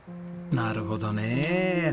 なるほどねえ。